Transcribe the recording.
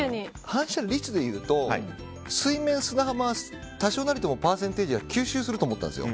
反射率でいうと水面、砂浜は多少なりともパーセンテージを吸収すると思ったんですよ。